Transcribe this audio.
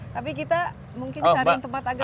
tapi kita mungkin cari tempat agak dulu bisa